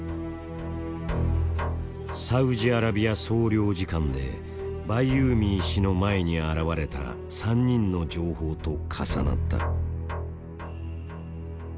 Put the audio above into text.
サウジアラビア総領事館でバイユーミー氏の前に現れた３人の情報と重なった。